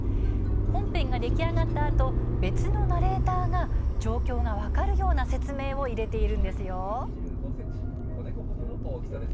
本編が出来上がったあと別のナレーターが状況が分かるような説明を入れています。